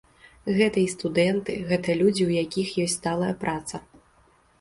Гэта і студэнты, гэта людзі, у якіх ёсць сталая праца.